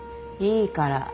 いいから。